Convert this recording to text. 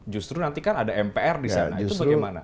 justru nanti kan ada mpr di sana itu bagaimana